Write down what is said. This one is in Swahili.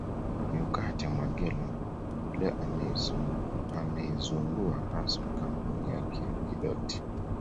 Jokate Mwegelo leo ameizundua rasmi kampuni yake ya Kidoti